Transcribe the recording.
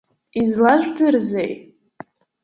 Излажәдырзеи?